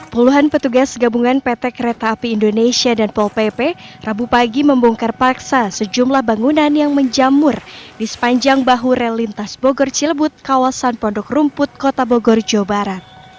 puluhan petugas gabungan pt kereta api indonesia dan pol pp rabu pagi membongkar paksa sejumlah bangunan yang menjamur di sepanjang bahu rel lintas bogor cilebut kawasan pondok rumput kota bogor jawa barat